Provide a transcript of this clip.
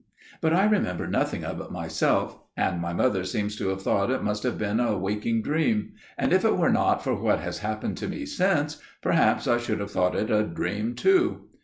But I remember nothing of it myself, and my mother seems to have thought it must have been a waking dream; and if it were not for what has happened to me since perhaps I should have thought it a dream too.